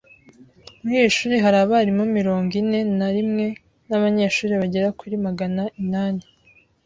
Muri iri shuri hari abarimu mirongo ine na rimwe n’abanyeshuri bagera kuri magana inani.